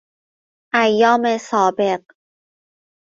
ایام سابق